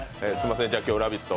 今日、「ラヴィット！」